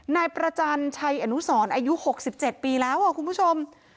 นายประจันชัยอนุสรอายุ๖๗ปีแล้วคุณผู้ชม